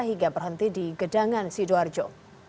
hingga berhenti di gedangan sidoarjo